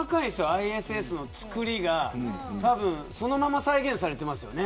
ＩＳＳの造りがそのまま再現されていますよね。